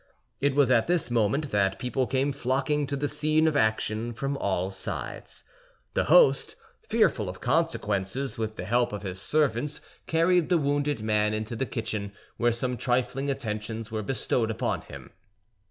It was at this moment that people came flocking to the scene of action from all sides. The host, fearful of consequences, with the help of his servants carried the wounded man into the kitchen, where some trifling attentions were bestowed upon him.